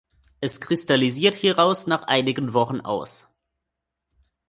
Es kristallisiert hieraus nach einigen Wochen aus.